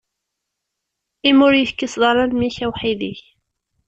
Imi ur yi-tekkiseḍ ara mmi-k, awḥid-ik.